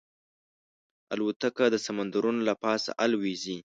الوتکه د سمندرونو له پاسه الوزي.